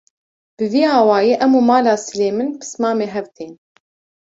bi vî awayî em û mala Silêmîn pismamê hev tên